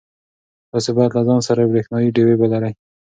تاسي باید له ځان سره برېښنایی ډېوې ولرئ.